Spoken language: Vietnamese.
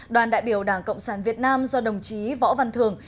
đoàn đại biểu đảng cộng sản việt nam do đồng chí võ văn thường